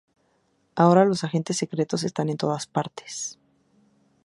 Ahora los agentes secretos están en todas partes".